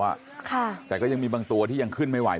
ค่ะแต่ก็ยังมีบางตัวที่ยังขึ้นไม่ไหว